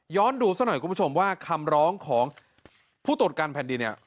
ย้อนดูสักหน่อยคุณผู้ชมว่าคำร้องของผู้ตรวจการแผ่นดิน